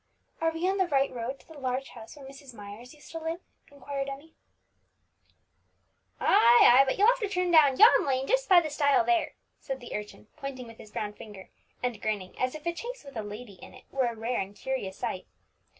"Are we on the right road to the large house where Mrs. Myers used to live?" inquired Emmie. "Ay, ay, but you'll have to turn down yon lane just by the stile there," said the urchin, pointing with his brown finger, and grinning as if a chaise with a lady in it were a rare and curious sight.